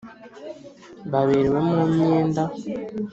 baberewemo imyenda